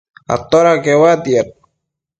atoda queuatiad?